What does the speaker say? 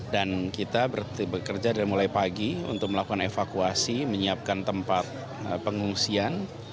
dan kita bekerja dari mulai pagi untuk melakukan evakuasi menyiapkan tempat pengungsian